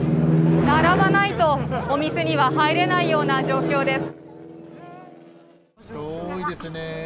並ばないとお店には入れないような状況です。